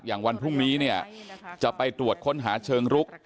วันพรุ่งนี้เนี่ยจะไปตรวจค้นหาเชิงรุก